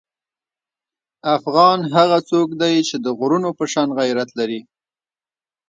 افغان هغه څوک دی چې د غرونو په شان غیرت لري.